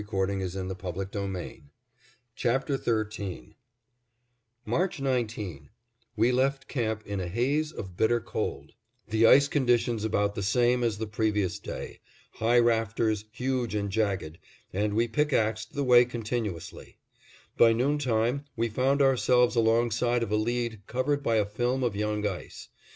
CHAPTER XIII THE SUPPORTING PARTIES BEGIN TO TURN BACK March 19: We left camp in a haze of bitter cold; the ice conditions about the same as the previous day; high rafters, huge and jagged; and we pickaxed the way continuously. By noontime, we found ourselves alongside of a lead covered by a film of young ice.